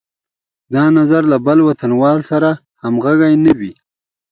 دا نظر له بل وطنوال سره همغږی نه وي.